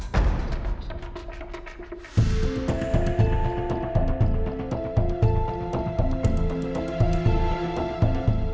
โปรดติดตามตอนต่อไป